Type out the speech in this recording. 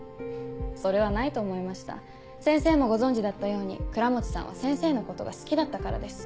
それはないと思いました先生もご存じだったように倉持さんは先生のことが好きだったからです。